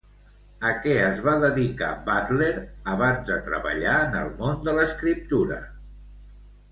A què es va dedicar Butler abans de treballar en el món de l'escriptura?